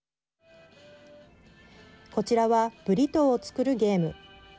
こちらはブリトーを作るゲーム。